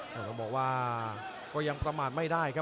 แต่ต้องบอกว่าก็ยังประมาทไม่ได้ครับ